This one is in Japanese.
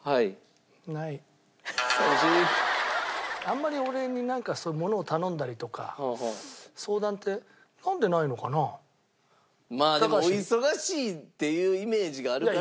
あんまり俺になんかそういうものを頼んだりとか相談ってまあでもお忙しいっていうイメージがあるから。